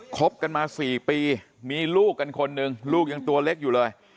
คบกันมา๔ปีมีลูกกันคนหนึ่งลูกยังตัวเล็กอยู่เลย